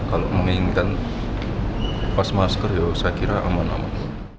kalau menginginkan pas masker ya saya kira aman aman